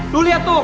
loh lihat tuh